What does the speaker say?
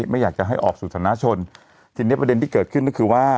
ไม่อยากจะให้ออกสู่สนชนทีนี้ประเด็นที่เกิดขึ้นก็คือว่า